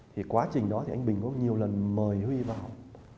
thì quá trình đó thì anh bình có nhiều lần mời huy vào